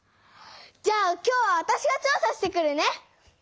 じゃあ今日はわたしが調査してくるね！